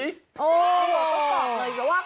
โหต้องตอบเลย